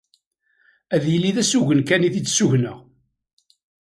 Ad yili d asugen kan i t-id-ssugneɣ.